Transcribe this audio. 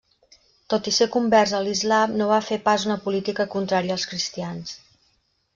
Tot i ser convers a l'islam no va fer pas una política contrària als cristians.